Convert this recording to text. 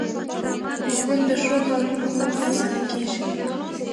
ژوند د ښو کارونو په کولو سره اسانه حسابېږي.